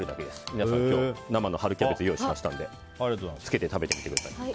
皆さん生の春キャベツ用意したのでつけて食べてみてください。